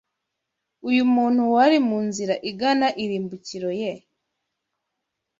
uyu muntu wari mu nzira igana irimbukiro ye